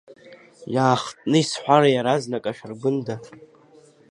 Иаахтны исҳәар иаразнак ашәаргәында!